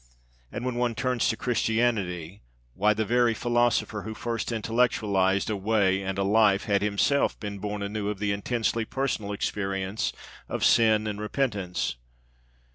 And when one turns to Christianity, why, the very philosopher who first intellectualized a Way and a Life had himself been born anew of the intensely personal experience of sin and repentance.